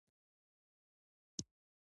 ایا ستاسو صدقه قبوله ده؟